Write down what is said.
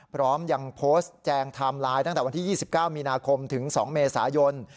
พร้อมยังโพสต์แจงไทม์ไลน์ตั้งแต่วันที่๒๙มีนาคมถึง๒เมษายน